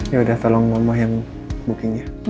yaudah tolong mama yang booking nya